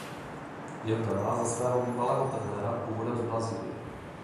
Je vdaná za svého bývalého trenéra původem z Brazílie.